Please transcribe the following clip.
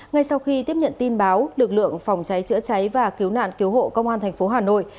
ngay sau khi tiếp nhận tin báo lực lượng phòng cháy chữa cháy và cứu nạn cứu hộ công an thành phố hà nội